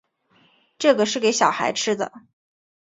这个是给小孩吃的